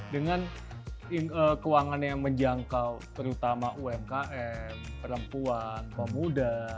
dengan keuangan yang menjangkau terutama umkm perempuan pemuda